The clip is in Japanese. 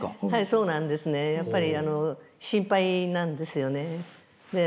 はいそうなんですね。やっぱり心配なんですよね。